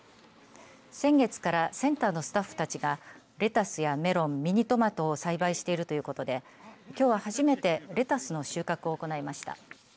先月からセンターのスタッフたちがレタスやメロン、ミニトマトの栽培をしているということできょうは初めてレタスの収穫を行いました。